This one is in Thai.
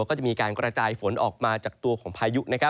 ก็จะมีการกระจายฝนออกมาจากตัวของพายุ